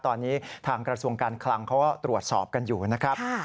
ตอนนี้ทางกระทรวงการคลังเขาก็ตรวจสอบกันอยู่นะครับ